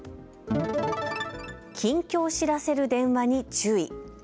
近況知らせる電話に注意。